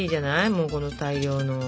もうこの大量の。